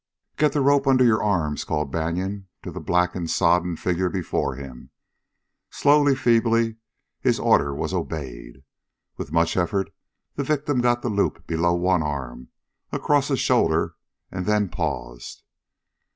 "Get the rope under your arms!" called Banion to the blackened, sodden figure before him. Slowly, feebly, his order was obeyed. With much effort the victim got the loop below one arm, across a shoulder, and then paused.